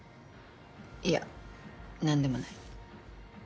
いや何でもない。